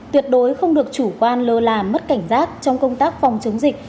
tuyệt đối không được chủ quan lơ là mất cảnh giác trong công tác phòng chống dịch